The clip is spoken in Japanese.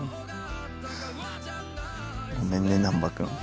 ごめんね難破君。